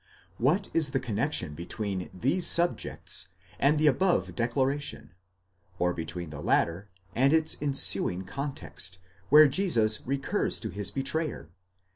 What is the connexion between these subjects and the above declaration, or between the latter and its ensuing context, where Jesus. recurs to his betrayer?